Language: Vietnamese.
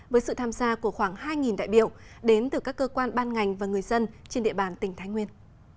với sự tham gia của khoảng hai đại biểu đến từ các cơ quan ban ngành và người dân trên địa bàn tỉnh thái nguyên